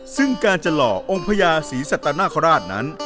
ซึ่งการจะหล่อองค์พญาศรีสัตนคราชนั้น